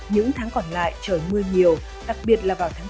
những tháng còn lại trời mưa nhiều đặc biệt là vào tháng bốn